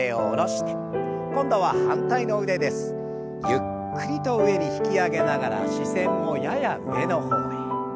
ゆっくりと上に引き上げながら視線もやや上の方へ。